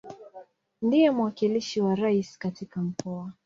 Ndiye mwakilishi wa Rais katika Mkoa.